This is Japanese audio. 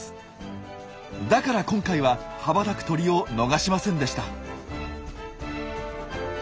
だから今回は羽ばたく鳥を逃しませんでした。